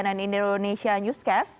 masih bergabung bersama kami di sma